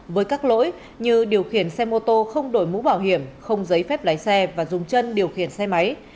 với các lỗi như điều khiển xe mô tô không đổi mũ bảo hiểm không giấy phép lái xe và dùng chân điều khiển xe máy